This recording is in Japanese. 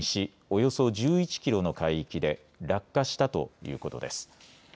およそ１１キロの海域で落下したということです。